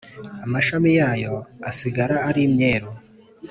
amashami yayo asigara ari imyeru!